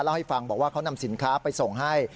เล่าให้ฟังบอกว่าเขานำสินค้าไปส่งให้